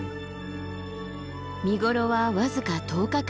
見頃は僅か１０日間ほど。